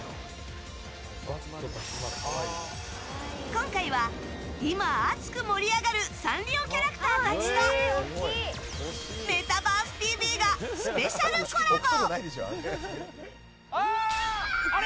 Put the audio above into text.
今回は、今熱く盛り上がるサンリオキャラクターたちと「メタバースＴＶ！！」がスペシャルコラボ。